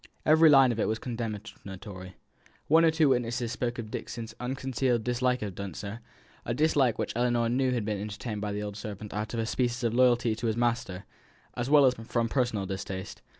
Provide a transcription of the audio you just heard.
Every line of it was condemnatory. One or two witnesses spoke of Dixon's unconcealed dislike of Dunster, a dislike which Ellinor knew had been entertained by the old servant out of a species of loyalty to his master, as well as from personal distaste.